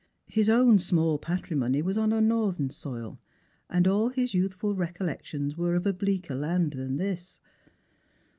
His own small patrimony was on a uorthern soil, and all his youthful recollections were of a bleaker land than this.